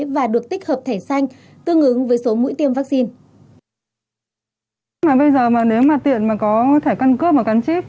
và được tích hợp thẻ xanh tương ứng với số mũi tiêm vaccine